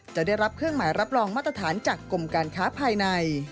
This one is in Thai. จะได้รับเครื่องหมายรับรองมาตรฐานจากกรมการค้าภายใน